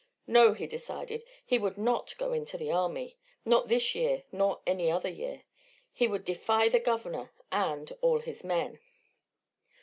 No, he decided, he would not go into the army not this year nor any other year. He would defy the governor and all his men.